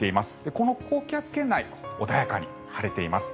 この高気圧圏内穏やかに晴れています。